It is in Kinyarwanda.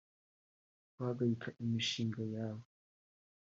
Guhagarika imishinga yawe